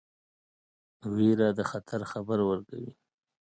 ویره د خطر خبر ورکوي.